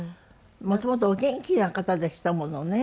元々お元気な方でしたものね。